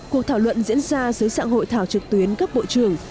cuộc thảo luận diễn ra dưới sạng hội thảo trực tuyến các bộ trưởng